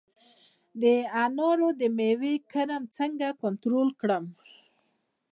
د انارو د میوې کرم څنګه کنټرول کړم؟